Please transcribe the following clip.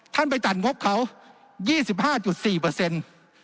ท่านไปตัดงบเขายี่สิบห้าจุดสี่เปอร์เซ็นต์